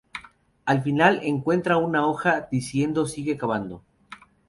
Al final encuentra una hoja diciendo "Sigue cavando".